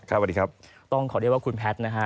ต้องเขาเเคาะเรียกว่าคุณแพทย์